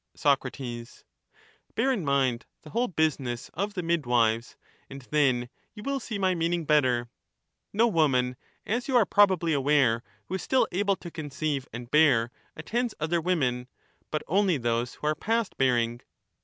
Soc, Bear in mind the whole business of the midwives, and then you will see my meaning better: — No woman, as you are probably aware, who is still able to conceive and bear, attends other women, but only those who are past bearing.